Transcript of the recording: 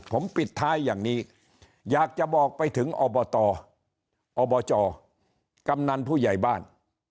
ผมปิดท้ายอย่างนี้อยากจะบอกไปถึงอบตอบจกำนันผู้ใหญ่บ้าน